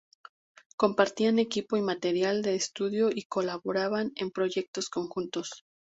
Compartían equipo y material de estudio y colaboraban en proyectos conjuntos.